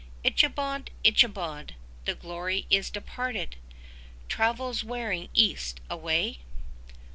Ichabod, Ichabod, The glory is departed! Travels Waring East away?